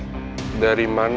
kita dua di depan juga kan